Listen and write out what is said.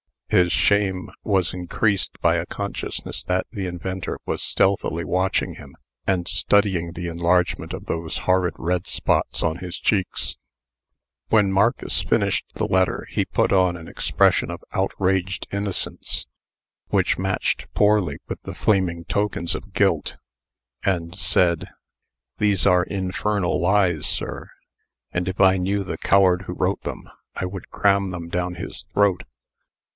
His shame was increased by a consciousness that the inventor was stealthily watching him, and studying the enlargement of those horrid red spots on his cheeks. "When Marcus finished the letter, he put on an expression of outraged innocence which matched poorly with the flaming tokens of guilt and said: "These are infernal lies, sir; and, if I knew the coward who wrote them, I would cram them down his throat."